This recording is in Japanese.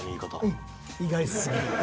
うん意外すぎる。